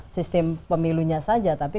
sistem pemilunya saja tapi